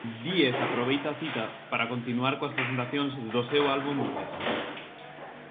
Díez aproveita a cita para continuar coas presentacións do seu álbum Nordés.